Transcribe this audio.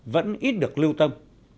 vẫn ít được lưu tâm